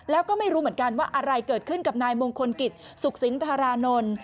แล้วก็ไม่รู้เหมือนกันว่าอะไรเกิดขึ้นกับนายมงคลกิจสุขสินธารานนท์